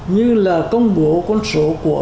như là công bố con số của